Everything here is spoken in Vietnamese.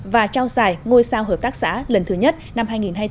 và trao giải ngôi sao hợp tác xã lần thứ nhất năm hai nghìn hai mươi bốn